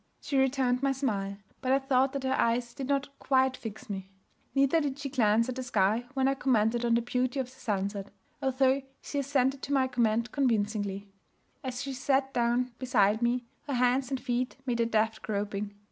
She returned my smile, but I thought that her eyes did not quite fix me. Neither did she glance at the sky when I commented on the beauty of the sunset although she assented to the comment convincingly. As she sat down beside me, her hands and feet made a deft groping.